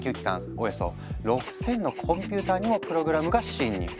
およそ６，０００のコンピューターにもプログラムが侵入。